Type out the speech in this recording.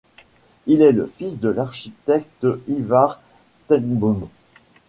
Il est le fils de l'architecte Ivar Tengbom.